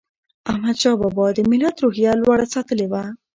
احمدشاه بابا د ملت روحیه لوړه ساتلې وه.